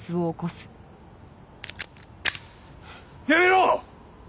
やめろ！